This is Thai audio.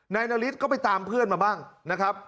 นาริสก็ไปตามเพื่อนมาบ้างนะครับ